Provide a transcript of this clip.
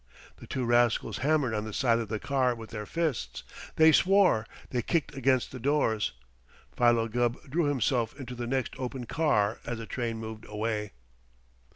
The two rascals hammered on the side of the car with their fists. They swore. They kicked against the doors. Philo Gubb drew himself into the next open car as the train moved away.